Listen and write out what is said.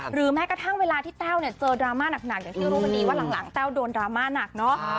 แม้กระทั่งเวลาที่แต้วเนี่ยเจอดราม่าหนักอย่างที่รู้กันดีว่าหลังแต้วโดนดราม่าหนักเนอะ